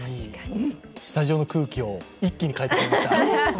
スタジオの空気を一気に変えてくれました。